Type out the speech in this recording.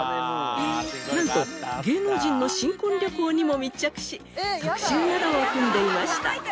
なんと芸能人の新婚旅行にも密着し特集などを組んでいました。